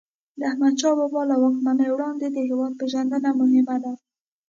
د احمدشاه بابا له واکمنۍ وړاندې د هیواد پېژندنه مهم ده.